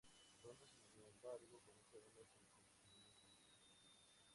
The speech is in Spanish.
Pronto sin embargo comenzaron los inconvenientes.